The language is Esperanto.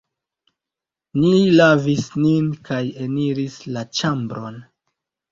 Ni lavis nin kaj eniris la ĉambron.